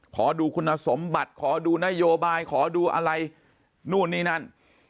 ขอดูคุณสมบัติขอดูนโยบายขอดูอะไรนู่นนี่นั่น